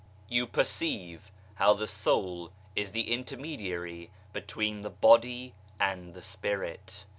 You perceive how the soul is the intermediary between the body and the Spirit.